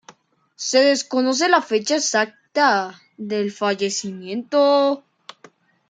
Se desconoce la fecha exacta del fallecimiento.